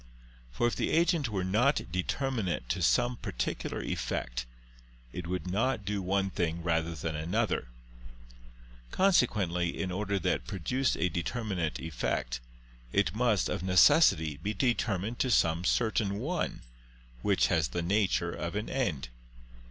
For if the agent were not determinate to some particular effect, it would not do one thing rather than another: consequently in order that it produce a determinate effect, it must, of necessity, be determined to some certain one, which has the nature of an end.